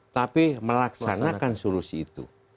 tapi melaksanakan solusi itu